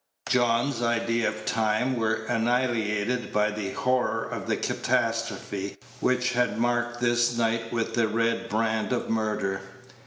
John's ideas of time were annihilated by the horror of the catastrophe which had marked this night with the red brand of murder.